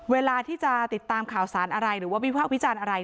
เวลาที่จะติดตามข่าวสารอะไรหรือว่าวิภาควิจารณ์อะไร